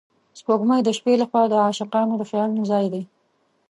سپوږمۍ د شپې له خوا د عاشقانو د خیالونو ځای دی